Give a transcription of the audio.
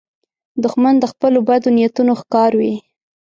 دښمن د خپلو بدو نیتونو ښکار وي